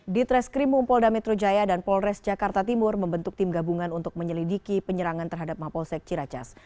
di treskrimum polda metro jaya dan polres jakarta timur membentuk tim gabungan untuk menyelidiki penyerangan terhadap mapolsek ciracas